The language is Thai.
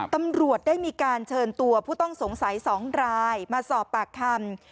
ตำรวจได้มีการเชิญตัวผู้ต้องสงสัย๒รายมาสอบปากคำ